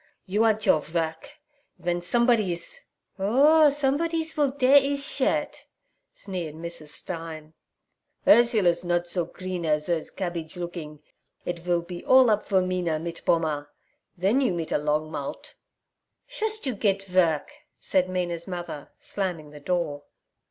You ant your vork. Ven somesbodies—' 'Orh, somesbodies will dare ees shirt' sneered Mrs. Stein. 'Urzler's nod so kreen as hers kabbidge lookin'. It vill be all up for Mina mit Pommer. Then you mit a long mout'.' 'Shust you get vork' said Mina's mother, slamming the door.